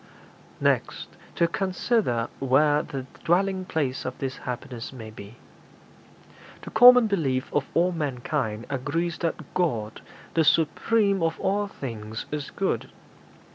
'Next to consider where the dwelling place of this happiness may be. The common belief of all mankind agrees that God, the supreme of all things, is good.